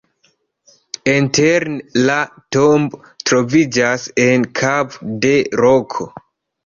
Interne la tombo troviĝas en kavo de roko.